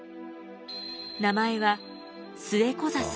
名前はスエコザサ。